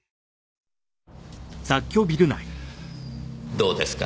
どうですか？